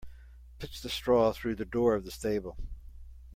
Pitch the straw through the door of the stable.